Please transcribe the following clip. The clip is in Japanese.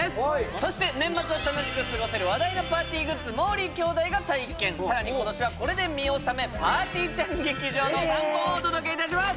そして年末を楽しく過ごせる話題のパーティーグッズもーりー兄弟が体験さらに今年はこれで見納めぱーてぃーちゃん劇場の３本をお届けいたします